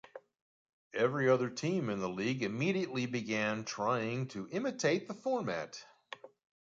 Every other team in the league immediately began trying to imitate the format.